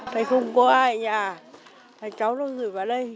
thầy không có ai ở nhà thầy cháu nó gửi vào đây